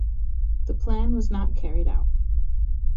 The plan was not carried out.